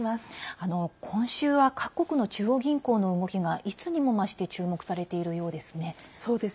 今週は各国の中央銀行の動きがいつにも増して注目されているようですね。